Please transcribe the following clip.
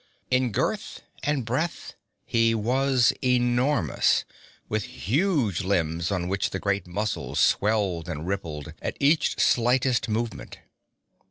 In girth and breadth he was enormous, with huge limbs on which the great muscles swelled and rippled at each slightest movement.